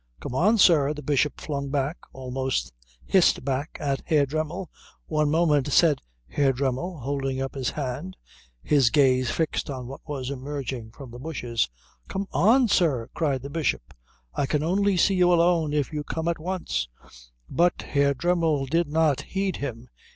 "Come on, sir " the Bishop flung back, almost hissed back, at Herr Dremmel. "One moment," said Herr Dremmel holding up his hand, his gaze fixed on what was emerging from the bushes. "Come on, sir!" cried the Bishop, "I can only see you alone if you come at once " But Herr Dremmel did not heed him.